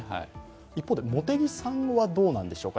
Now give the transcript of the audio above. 一方で茂木さんはどうなんでしょうか？